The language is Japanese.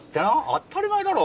当たり前だろ。